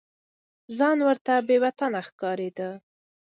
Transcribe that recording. ځان ورته بې وطنه ښکارېده.